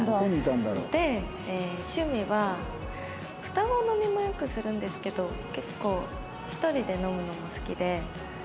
で趣味は双子飲みもよくするんですけど結構１人で飲むのも好きで。